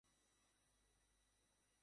আপনি নিশ্চয়ই পিয়ানো বাজান না?